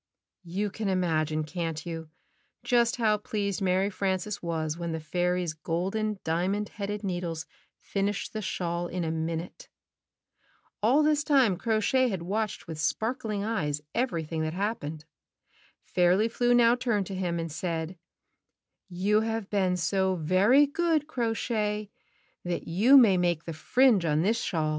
You can imagine, can't you, just how pleased Mary Frances was when the fairy's golden diamond headed needles finished the shawl in a minute? All this time Crow Shay had watched ^ith spark hng eyes everything that happened. Fairly Flew now turned to him and said, "You have been so very good, Crow Shay, that you may make the fringe on this shawl."